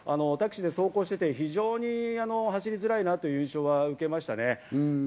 タクシーで走行していて、非常に走りづらいなという印象を受けましたね。